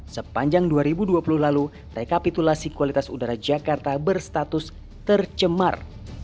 sepanjang dua ribu dua puluh lalu rekapitulasi kualitas udara jakarta berstatus tercemar